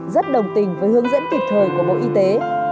rất đồng tình với hướng dẫn kịp thời của bộ y tế